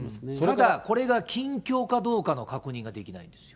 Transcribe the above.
ただこれが近況かどうかの確認はできないんですよ。